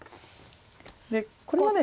でこれはね